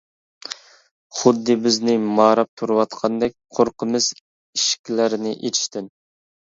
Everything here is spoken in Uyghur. خۇددى بىزنى ماراپ تۇرۇۋاتقاندەك قورقىمىز ئىشىكلەرنى ئېچىشتىن.